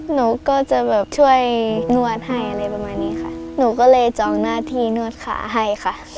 หนูก็จะแบบช่วยนวดให้อะไรประมาณนี้ค่ะหนูก็เลยจองหน้าที่นวดขาให้ค่ะ